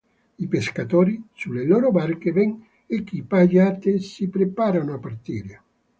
I pescatori, sulle loro barche ben equipaggiate, si preparano a partire.